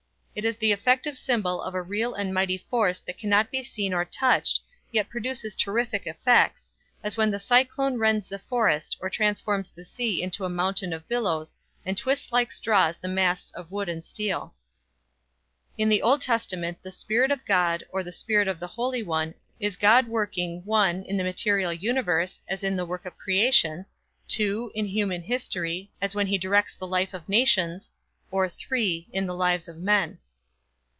It is the effective symbol of a real and mighty force that cannot be seen or touched yet produces terrific effects, as when the cyclone rends the forest or transforms the sea into a mountain of billows and twists like straws the masts of wood and steel. In the Old Testament the "spirit of God" or the "spirit of the Holy One" is God working (1) in the material universe, as in the work of creation, (2) in human history, as when he directs the life of nations, or (3) in the lives of men.